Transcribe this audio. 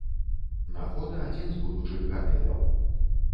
На фота адзін з будучых гатэляў.